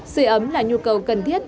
sửa ấm là nhu cầu cần thiết